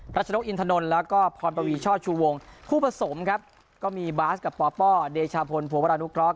รัชนกอินทนนท์แล้วก็พรปวีช่อชูวงคู่ผสมครับก็มีบาสกับปปเดชาพลภัวรานุเคราะห